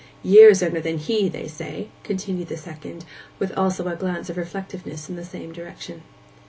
'Years younger than he, they say,' continued the second, with also a glance of reflectiveness in the same direction.